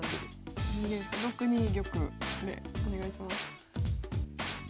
６二玉でお願いします。